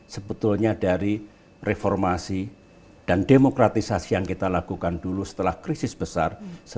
sebetulnya dari reformasi dan demokratisasi yang kita lakukan dulu setelah krisis besar seribu sembilan ratus sembilan puluh delapan